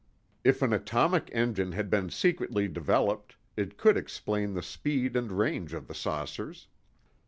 If an atomic engine had been secretly developed, it could explain the speed and range of the saucers.